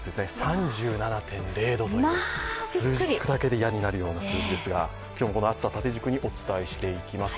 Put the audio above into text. ３７．０度という数字聞くだけで嫌になるような数字ですけど、今日もこの暑さを縦軸にお伝えします。